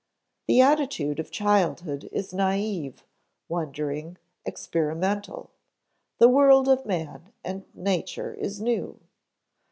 The attitude of childhood is naïve, wondering, experimental; the world of man and nature is new.